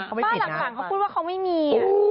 บ้านหลังเขาพูดว่าเขาไม่มี